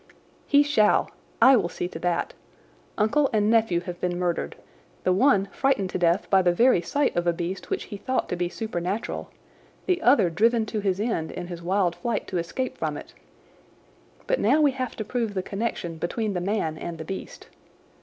"He shall. I will see to that. Uncle and nephew have been murdered—the one frightened to death by the very sight of a beast which he thought to be supernatural, the other driven to his end in his wild flight to escape from it. But now we have to prove the connection between the man and the beast.